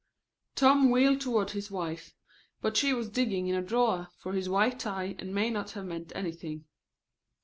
Tom wheeled toward his wife, but she was digging in a drawer for his white tie and may not have meant anything.